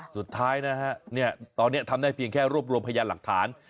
สุดท้ายนะฮะตอนนี้ทำได้เพียงแค่รวบรวมพยานหลักฐาน